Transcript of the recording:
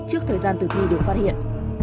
trước thời gian tử thi được phát hiện